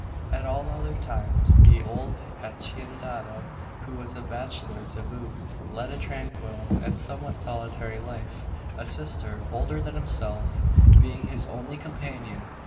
At all other times the old haciendado who was a bachelor to boot led a tranquil and somewhat solitary life; a sister older than himself being his only companion.